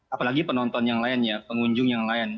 apalagi penonton yang lainnya pengunjung yang lain